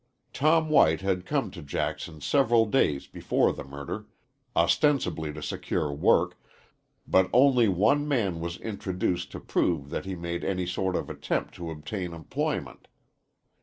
Tom White had come to Jackson several days before the murder, ostensibly to secure work, but only one man was introduced to prove that he made any sort of attempt to obtain employment.